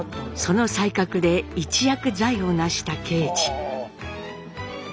その才覚で一躍財を成した敬次。